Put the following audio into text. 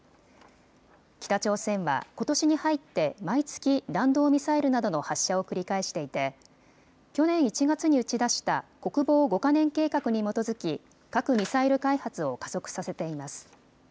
北朝鮮は、ことしに入って毎月弾道ミサイルなどの発射を繰り返していて去年１月に打ち出した国防５か年計画に基づき核・ミサイル開発を加速させています。